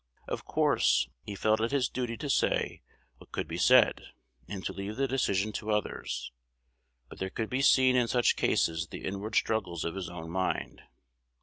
Of course, he felt it his duty to say what could be said, and to leave the decision to others; but there could be seen in such cases the inward struggles of his own mind.